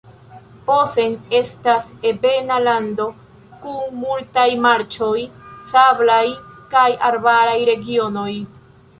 Posen estas ebena lando kun multaj marĉoj, sablaj kaj arbaraj regionoj.